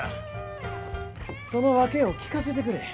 その訳を聞かせてくれ。